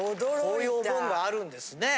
こういうお盆があるんですね。